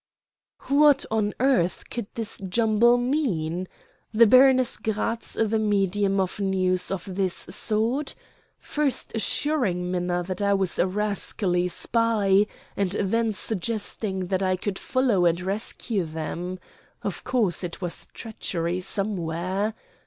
What on earth could this jumble mean? The Baroness Gratz the medium of news of this sort. First assuring Minna that I was a rascally spy, and then suggesting that I could follow and rescue them. Of course it was treachery somewhere.